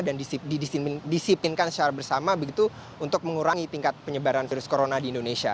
dan didisiplinkan secara bersama begitu untuk mengurangi tingkat penyebaran virus corona di indonesia